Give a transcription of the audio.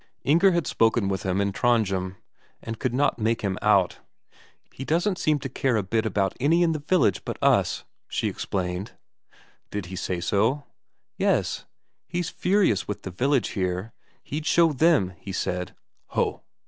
Inger had spoken with him in Trondhjem, and could not make him out. "He doesn't seem to care a bit about any in the village but us," she explained. "Did he say so?" "Yes. He's furious with the village here. He'd show them, he said." "Ho!"